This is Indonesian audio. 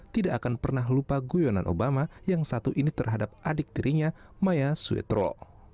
tidak akan pernah lupa guyonan obama yang satu ini terhadap adik tirinya maya suetro